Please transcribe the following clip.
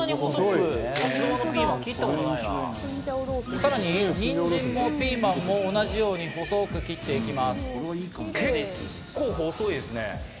さらに、にんじんもピーマンも同じように細く切っていきます。